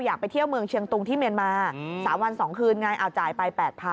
ไปเที่ยวเมืองเชียงตุงที่เมียนมา๓วัน๒คืนไงเอาจ่ายไป๘๐๐๐